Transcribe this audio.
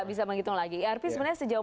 bisa menghitung lagi arp sebenarnya sejauh